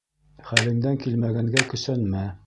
Хәлеңдән килмәгәнгә көсәнмә.